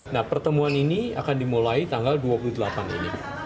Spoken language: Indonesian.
nah pertemuan ini akan dimulai tanggal dua puluh delapan ini